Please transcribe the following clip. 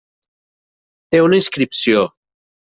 Té una inscripció.